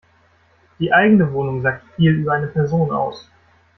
Die eigene Wohnung sagt viel über eine Person aus.